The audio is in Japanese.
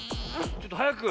ちょっとはやく。